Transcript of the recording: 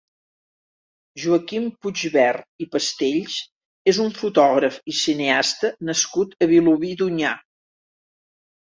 Joaquim Puigvert i Pastells és un fotògraf i cineasta nascut a Vilobí d'Onyar.